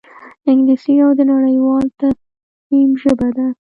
انګلیسي د نړیوال تفهیم ژبه ده